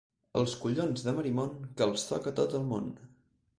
Els collons de Marimon, que els toca tot el món.